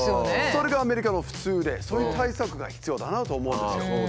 それがアメリカの普通でそういう対策が必要だなと思うんですよ。